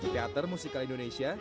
teater musikal indonesia